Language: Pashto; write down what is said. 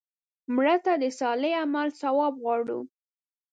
مړه ته د صالح عمل ثواب غواړو